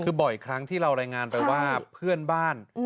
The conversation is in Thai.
คือบ่อยครั้งที่เรารายงานไปว่าเพื่อนบ้าน